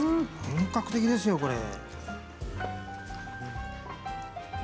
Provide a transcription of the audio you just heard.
本格的ですよ、これ。